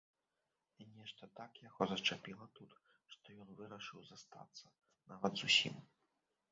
І нешта так яго зачапіла тут, што ён вырашыў застацца, нават зусім.